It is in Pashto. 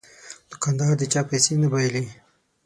دوکاندار د چا پیسې نه بایلي.